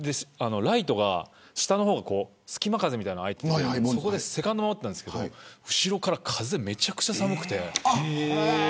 ライトが下の方に隙間が開いててそこがセカンドを守ってたんですけど後ろから風がめちゃくちゃ寒くて。